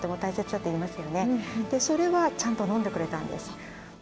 それはちゃんと飲んでくれたんです。